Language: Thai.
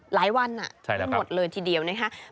หลายวันน่ะหมดเลยทีเดียวนะครับใช่นะครับ